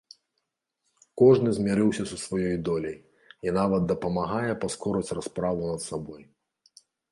Кожны змірыўся са сваёй доляй і нават дапамагае паскорыць расправу над сабой.